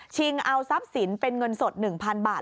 เอาทรัพย์สินเป็นเงินสด๑๐๐๐บาท